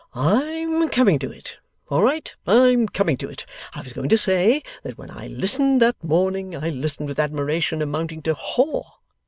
'I'm coming to it! All right. I'm coming to it! I was going to say that when I listened that morning, I listened with hadmiration amounting to haw.